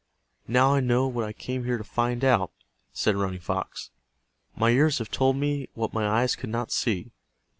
"Now I know what I came here to find out," said Running Fox. "My ears have told me what my eyes could not see.